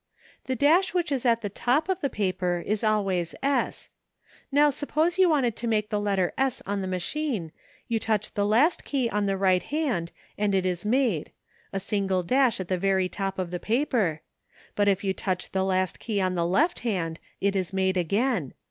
*' The dash which is at the top of the paper is always s; now suppose you wanted to make the letter s on the machine, you touch the last key on the right hand and it is made — a single dash at the very top of the paper — but if you touch the last key on the left hand it is made again.